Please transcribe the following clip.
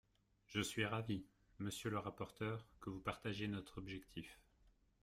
Je suis ravie, monsieur le rapporteur, que vous partagiez notre objectif.